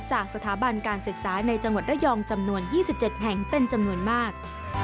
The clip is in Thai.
จากสถาบันการศึกษาในจังหวัดระยองจำนวน๒๗แห่งเป็นจำนวนมาก